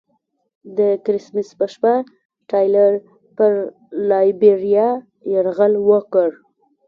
د کرسمس په شپه ټایلر پر لایبیریا یرغل وکړ.